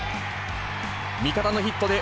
味方のヒットで、